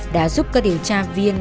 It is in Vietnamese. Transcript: đã giúp các điều tra viên